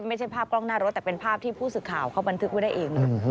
ไม่ใช่ภาพกล้องหน้ารถแต่เป็นภาพที่ผู้สื่อข่าวเขาบันทึกไว้ได้เองนะ